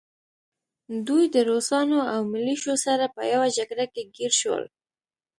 دوی د روسانو او ملیشو سره په يوه جګړه کې ګیر شول